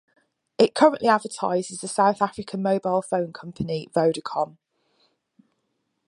It currently advertises the South African mobile phone company Vodacom.